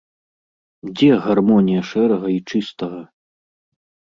Дзе гармонія шэрага й чыстага?